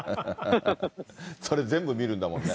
それ全部見るんだもんね。